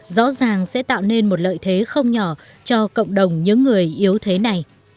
rõ ràng sẽ tạo nên một lợi thế không nhỏ cho cộng đồng những người yếu thế này